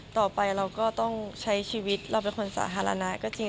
ต่อไปเราก็ต้องใช้ชีวิตเราเป็นคนสาธารณะก็จริง